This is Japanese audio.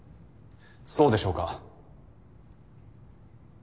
そうでしょうか。